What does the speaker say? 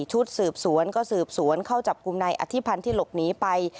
ชุดสืบสวนก็สืบสวนเข้าจับกลุ่มนายอธิพันธ์ที่หลบหนีไป